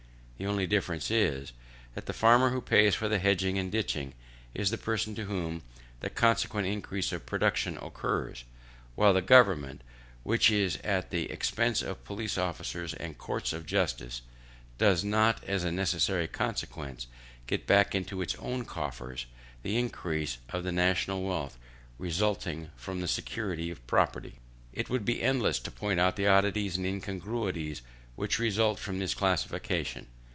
The only difference is, that the farmer, who pays for the hedging and ditching, is the person to whom the consequent increase of production accrues, while the government, which is at the expense of police officers and courts of justice, does not, as a necessary consequence, get back into its own coffers the increase of the national wealth resulting from the security of property. It would be endless to point out the oddities and incongruities which result from this classification.